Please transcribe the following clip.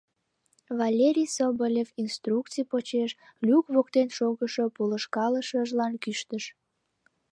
— Валерий Соболев инструкций почеш люк воктен шогышо полышкалышыжлан кӱштыш.